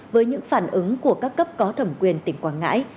với những phản ứng của các cấp có thẩm quyền tỉnh quảng ngãi